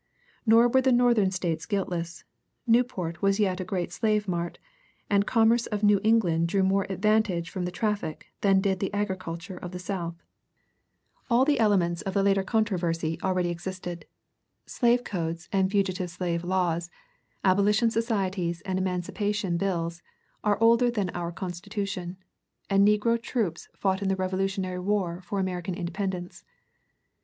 Nor were the Northern States guiltless: Newport was yet a great slave mart, and the commerce of New England drew more advantage from the traffic than did the agriculture of the South. [Sidenote: J. C. Hurd, "Law of Freedom and Bondage," Vol. I. pp. 228 311.] All the elements of the later controversy already existed. Slave codes and fugitive slave laws, abolition societies and emancipation bills, are older than our Constitution; and negro troops fought in the Revolutionary war for American independence.